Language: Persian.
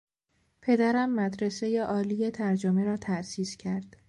پدرم مدرسهی عالی ترجمه را تاسیس کرد.